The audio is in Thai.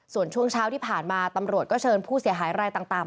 ส่วนช่วงเช้าที่ผ่านมาตำรวจก็เชิญผู้เสียหายรายต่าง